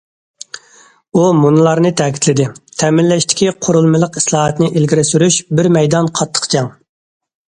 ئۇ مۇنۇلارنى تەكىتلىدى: تەمىنلەشتىكى قۇرۇلمىلىق ئىسلاھاتنى ئىلگىرى سۈرۈش بىر مەيدان قاتتىق جەڭ.